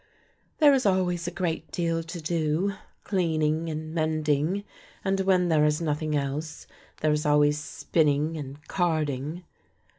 "There is always a great deal to do, cleaning and mending and, when there is nothing else, there is always spinning and carding."